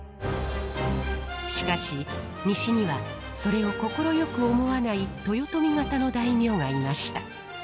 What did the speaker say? しかし西にはそれを快く思わない豊臣方の大名がいました。